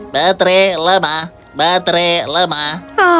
baterai lemah baterai lemah